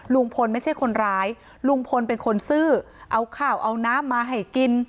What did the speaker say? ลุงพลไม่ใช่คนร้ายลุงพลเป็นคนซื้อเอาข้าวเอาน้ำมาให้กิน